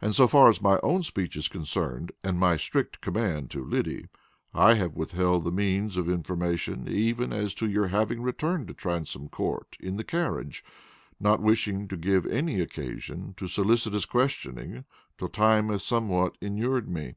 And so far as my own speech is concerned, and my strict command to Lyddy, I have withheld the means of information even as to your having returned to Transome Court in the carriage, not wishing to give any occasion to solicitous questioning till time hath somewhat inured me.